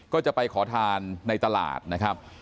ก็จะไปขอทานในตลาดนะครับ